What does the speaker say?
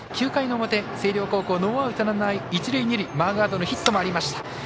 ９回の表、星稜高校ノーアウト、ランナー、一塁二塁マーガードのヒットもありました。